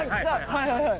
はいはいはい。